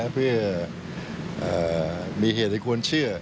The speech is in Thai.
เพื่อมีเหตุที่ควรเชื่อ